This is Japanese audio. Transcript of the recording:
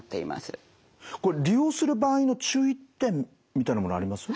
これ利用する場合の注意点みたいなものあります？